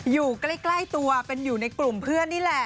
อยู่ใกล้ตัวเป็นอยู่ในกลุ่มเพื่อนนี่แหละ